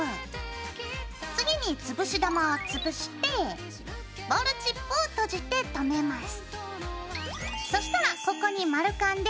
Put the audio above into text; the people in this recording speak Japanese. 次につぶし玉をつぶしてボールチップを閉じて留めます。